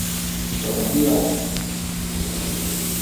ปวดท้องเยี่ยว